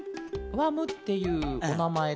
「わむ」っていうおなまえと